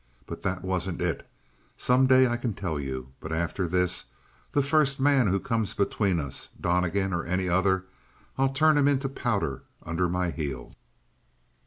"But that wasn't it. Some day I can tell you. But after this, the first man who comes between us Donnegan or any other I'll turn him into powder under my heel!"